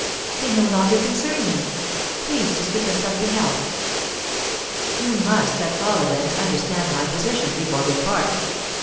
"They no longer concern me. Please to speak of something else." "You must, at all events, understand my position before we part.